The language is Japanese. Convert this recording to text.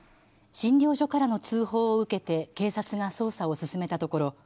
診療所からの通報を受けて警察が捜査を進めたところ